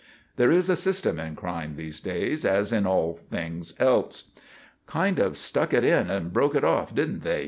There is system in crime these days as in all things else. "Kind of stuck it in and broke it off, didn't they?"